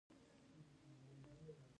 باسواده ښځې په روغتونونو کې کار کوي.